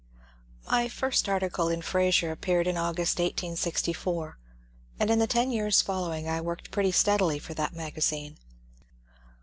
My first article in ^^ Fraser " appeared in August, 1864, and in the ten years foUowing I worked pretty steadily for that magazine.